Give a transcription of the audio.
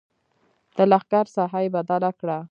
د لښکر ساحه یې بدله کړه.